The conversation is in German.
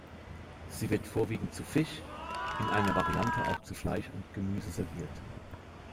Sie wird vorwiegend zu Fisch, in einer Variante auch zu Fleisch und Gemüse serviert.